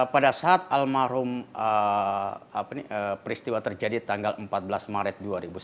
pada saat almarhum peristiwa terjadi tanggal empat belas maret dua ribu sembilan belas